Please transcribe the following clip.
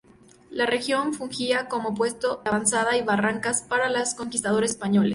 La región fungía como puesto de avanzada y barracas para los conquistadores españoles.